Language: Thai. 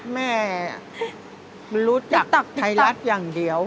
แม่รู้จักไทรัศน์อย่างเดียว